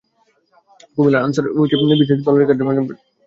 কুমিল্লা আনসার সার্কেলের কর্মকর্তা নুরুল আফসার চৌধুরী ঘটনার সত্যতা নিশ্চিত করেন।